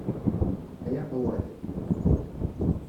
Ay aqewwad!